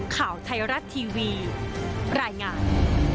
ข่าวไทยรัฐทีวีรายงาน